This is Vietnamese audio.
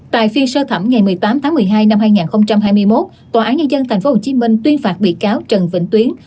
tại phiên sơ thẩm ngày một mươi tám tháng một mươi hai năm hai nghìn hai mươi một tòa án nhân dân tp hcm tuyên phạt bị cáo trần vĩnh tuyến